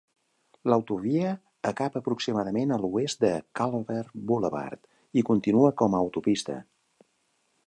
L'autovia acaba aproximadament a l'oest de Culver Boulevard i continua com a autopista.